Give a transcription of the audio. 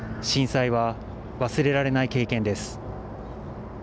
震災は忘れられない経験です。